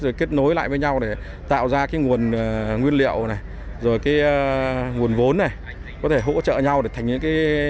rồi kết nối lại với nhau để tạo ra nguồn nguyên liệu nguồn vốn này có thể hỗ trợ nhau để thành những